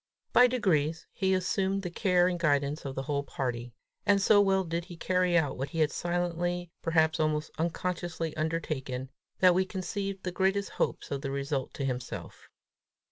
By degrees he assumed the care and guidance of the whole party; and so well did he carry out what he had silently, perhaps almost unconsciously undertaken, that we conceived the greatest hopes of the result to himself.